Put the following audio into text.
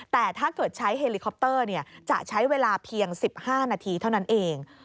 แต่ถ้าเกิดใช้เฮลิคอปเตอร์จะใช้เวลาเพียง๑๕นาทีเท่านั้นเอง